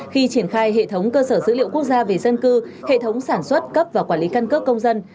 khi triển khai hệ thống cơ sở dữ liệu quốc gia về dân cư hệ thống sản xuất cấp và quản lý căn cước công dân